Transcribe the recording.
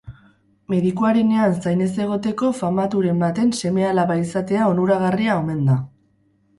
Medikuarenean zain ez egoteko famaturen baten seme-alaba izatea onuragarria omen da.